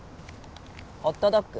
ホットドッグ。